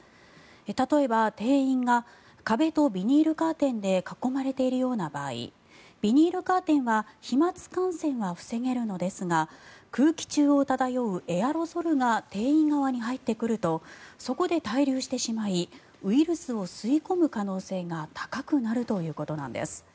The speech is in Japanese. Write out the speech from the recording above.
例えば、店員が壁とビニールカーテンで囲まれているような場合ビニールカーテンは飛まつ感染が防げるのですが空気中を漂うエアロゾルが店員側に入ってくるとそこで滞留してしまいウイルスを吸い込む可能性が高くなるということです。